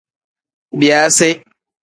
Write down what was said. Biyaasi.